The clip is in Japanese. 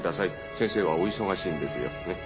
先生はお忙しいんですよねっ。